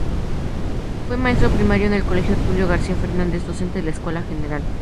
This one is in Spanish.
Fue maestro primario en el colegio Tulio García Fernández; docente de la escuela Gral.